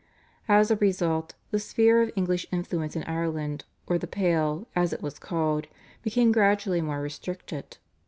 As a result, the sphere of English influence in Ireland, or the Pale, as it was called, became gradually more restricted.